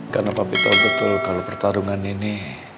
karena papi tau betul kalo pertarungan ini